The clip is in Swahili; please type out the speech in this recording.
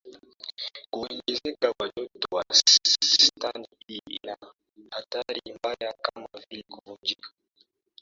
kuongezeka kwa joto wastani Hii ina athari mbaya kama vile kuvunjika